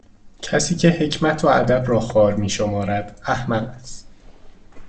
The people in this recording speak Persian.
کسی که حکمت و ادب را خوار میشمارد احمق است